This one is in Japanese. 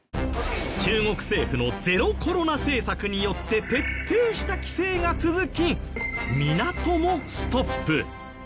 中国政府のゼロコロナ政策によって徹底した規制が続き港もストップ。